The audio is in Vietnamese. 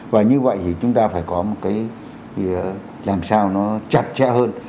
và như vậy thì chúng ta phải có một cái làm sao nó chặt chẽ hơn